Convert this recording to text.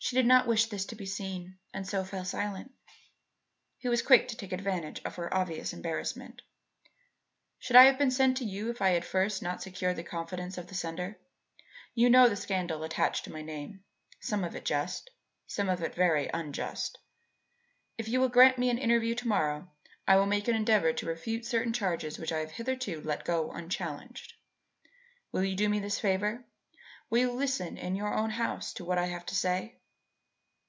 She did not wish this to be seen, and so fell silent. He was quick to take advantage of her obvious embarrassment. "Should I have been sent to you if I had not first secured the confidence of the sender? You know the scandal attached to my name, some of it just, some of it very unjust. If you will grant me an interview to morrow, I will make an endeavour to refute certain charges which I have hitherto let go unchallenged. Will you do me this favour? Will you listen in your own house to what I have to say?"